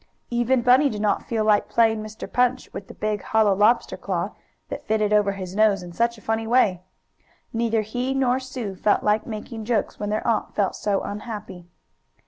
Even Bunny did not feel like playing Mr. Punch with the big hollow lobster claw that fitted over his nose in such a funny way. Neither he nor Sue felt like making jokes when their aunt felt so unhappy.